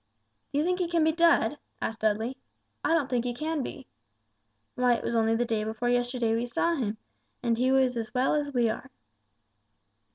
"Do you think he is dead?" asked Dudley, "I don't think he can be. Why it was only the day before yesterday we saw him, and he was as well as we are."